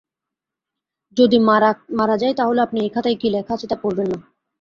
যদি মারা যাই তা হলে আপনি এই খাতায় কী লেখা আছে তা পড়বেন না।